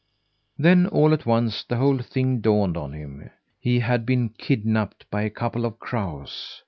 Then, all at once, the whole thing dawned on him. He had been kidnapped by a couple of crows.